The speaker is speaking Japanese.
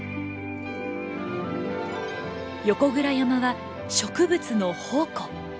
横倉山は植物の宝庫。